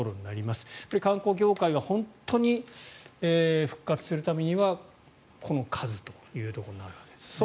観光業界が本当に復活するためにはこの数というところになるわけですね。